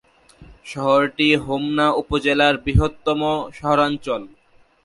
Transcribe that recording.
শহরটি হোমনা উপজেলার বৃহত্তম শহরাঞ্চল।